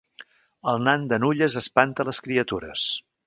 El nan de Nulles espanta les criatures